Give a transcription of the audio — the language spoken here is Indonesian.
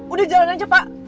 udah jalan aja pak